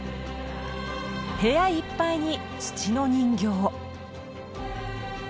部屋いっぱいに土の人形。